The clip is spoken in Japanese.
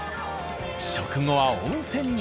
食後は温泉に。